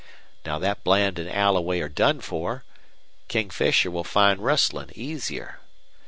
Now that Bland and Alloway are done for, King Fisher will find rustlin' easier.